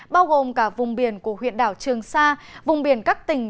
bao gồm cả vùng biển của huyện đảo trường sa vùng biển các tỉnh